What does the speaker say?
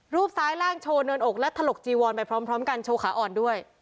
ซ้ายล่างโชว์เนินอกและถลกจีวอนไปพร้อมกันโชว์ขาอ่อนด้วย